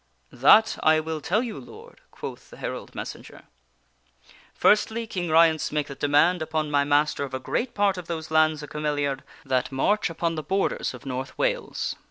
" That I will tell you, Lord/' quoth the herald messenger. '' Firstly, King Ryence maketh demand upon my master of a great part of those lands of Cameliard that march upon the borders of North Wales.